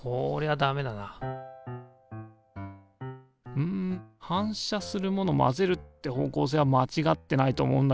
うん反射するもの混ぜるって方向性はまちがってないと思うんだけどな。